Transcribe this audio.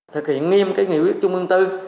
thực hiện nghiêm nghị quyết chung ương tư